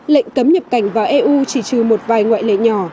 lệnh cấm nhập cảnh vào eu chỉ trừ một vài ngoại lệ nhỏ